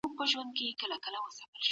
ایا لوی صادروونکي خندان پسته اخلي؟